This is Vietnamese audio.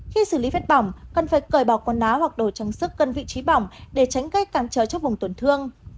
khi xử lý phết bỏng cần phải cởi bỏ quần áo hoặc đồ trang sức gần vị trí bỏng để tránh gây càng trở cho vùng tuần thương